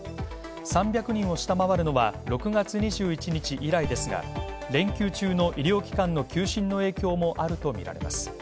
３００人を下回るのは６月２１日以来ですが、連休中の医療機関の休診の影響もあるとみられます。